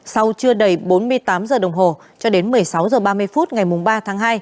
sau chưa đầy bốn mươi tám giờ đồng hồ cho đến một mươi sáu h ba mươi phút ngày ba tháng hai